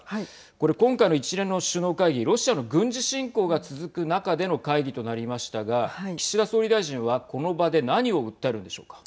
これ今回の一連の首脳会議、ロシアの軍事侵攻が続く中での会議となりましたが岸田総理大臣はこの場で何を訴えるんでしょうか。